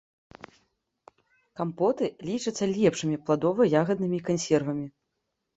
Кампоты лічацца лепшымі пладова-ягаднымі кансервамі.